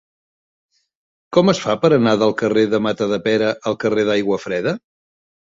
Com es fa per anar del carrer de Matadepera al carrer d'Aiguafreda?